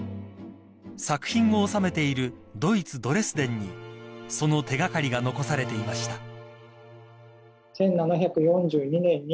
［作品を収めているドイツドレスデンにその手掛かりが残されていました］